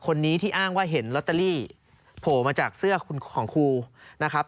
คนนี้ที่อ้างว่าเห็นลอตเตอรี่โผล่มาจากเสื้อของครูนะครับ